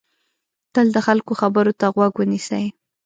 تل د خلکو خبرو ته غوږ ونیسئ.